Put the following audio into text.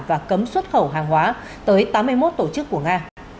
và cấm xuất khẩu hàng hóa tới tám mươi một tổ chức của nga